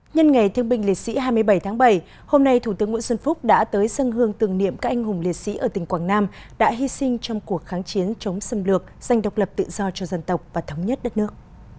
nhân ngày thương binh liệt sĩ hai mươi bảy tháng bảy hôm nay thủ tướng nguyễn xuân phúc đã tới dân hương tưởng niệm các anh hùng liệt sĩ ở tỉnh quảng nam đã hy sinh trong cuộc kháng chiến chống xâm lược dành độc lập tự do cho dân tộc và thống nhất đất nước